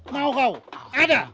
mau kau ada